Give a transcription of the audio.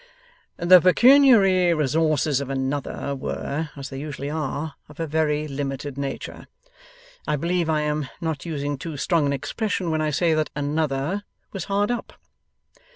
'The pecuniary resources of Another were, as they usually are, of a very limited nature. I believe I am not using too strong an expression when I say that Another was hard up.